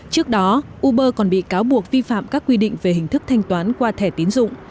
trước đó uber còn bị cáo buộc vi phạm các quy định về hình thức thanh toán qua thẻ tiến dụng